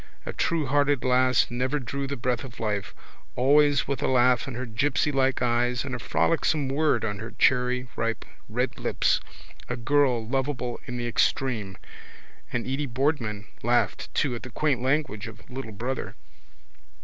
A truerhearted lass never drew the breath of life, always with a laugh in her gipsylike eyes and a frolicsome word on her cherryripe red lips, a girl lovable in the extreme. And Edy Boardman laughed too at the quaint language of little brother.